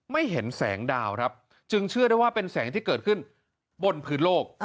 ไม่เห็นแสงดาวครับจึงเชื่อได้ว่าเป็นแสงที่เกิดขึ้นบนพื้นโลก